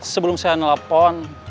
sebelum saya nelfon